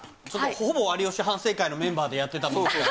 ほぼ有吉反省会のメンバーでやってたみたいな。